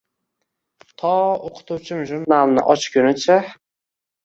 To o`qituvchim jurnalni ochgunicha